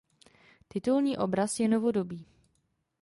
Titulní obraz je novodobý.